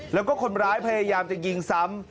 แล้วก็คนร้ายพยายามจะยิงซ้ำ